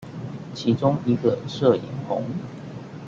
其中一個攝影棚